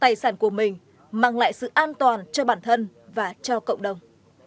tài sản của mình mang lại sự an toàn cho bản thân và cho cộng đồng